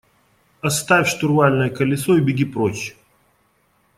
– Оставь штурвальное колесо и беги прочь.